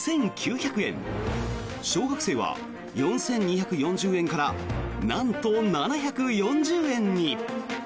小学生は４２４０円からなんと７４０円に。